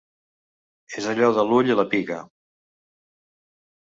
És allò de l'ull i la piga.